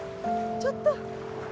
ちょっと。